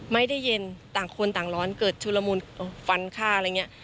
ไม่ได้เย็นต่างคนต่างร้อนเกิดชุลมุนฟันฆ่าอะไรอย่างนี้